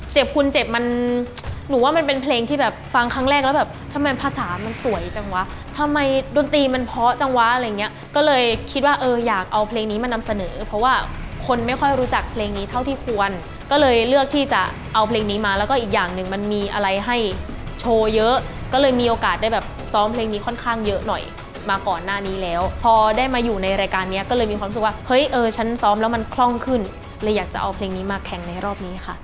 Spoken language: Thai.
เจ็บคุณเจ็บมันหนูว่ามันเป็นเพลงที่แบบฟังครั้งแรกแล้วแบบทำไมภาษามันสวยจังวะทำไมดนตรีมันเพาะจังวะอะไรอย่างเงี้ยก็เลยคิดว่าเอออยากเอาเพลงนี้มานำเสนอเพราะว่าคนไม่ค่อยรู้จักเพลงนี้เท่าที่ควรก็เลยเลือกที่จะเอาเพลงนี้มาแล้วก็อีกอย่างหนึ่งมันมีอะไรให้โชว์เยอะก็เลยมีโอกาสได้แบบซ้อมเพลงนี้ค่อน